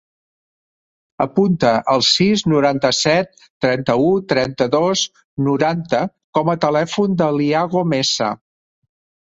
Apunta el sis, noranta-set, trenta-u, trenta-dos, noranta com a telèfon de l'Iago Mesa.